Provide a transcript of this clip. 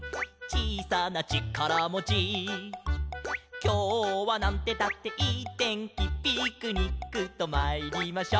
「ちいさなちからもち」「きょうはなんてったっていいてんき」「ピクニックとまいりましょう」